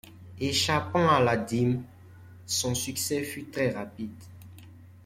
Échappant à la dîme, son succès fut très rapide.